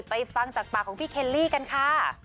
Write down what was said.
ฟังจากปากของพี่เคลลี่กันค่ะ